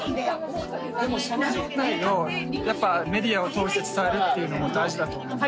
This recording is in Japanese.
でもその状態のやっぱメディアを通して伝えるっていうのも大事だと思う。